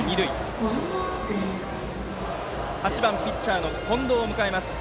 バッターは８番ピッチャーの近藤を迎えます。